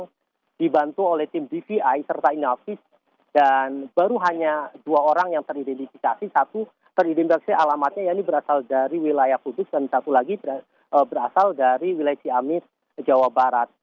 yang dibantu oleh tim dvi serta inavis dan baru hanya dua orang yang teridentifikasi satu teridentifikasi alamatnya ya ini berasal dari wilayah kudus dan satu lagi berasal dari wilayah ciamis jawa barat